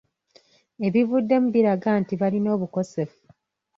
Ebivuddemu biraga nti balina obukosefu.